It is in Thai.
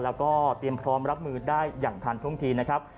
แล้วก็เตรียมพร้อมรับมือได้อย่างทันท่วงทีนะครับ